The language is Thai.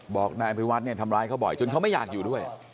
บอกนายอภิวัตเนี่ยทำร้ายเขาบ่อยจนเขาไม่อยากอยู่ด้วย